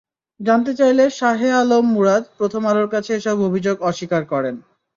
জানতে চাইলে শাহে আলম মুরাদ প্রথম আলোর কাছে এসব অভিযোগ অস্বীকার করেন।